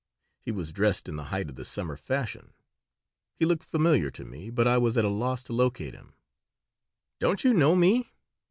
He was dressed in the height of the summer fashion. He looked familiar to me, but I was at a loss to locate him "Don't you know me?